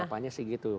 harapannya sih gitu